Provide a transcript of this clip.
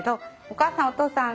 お母さんお父さん。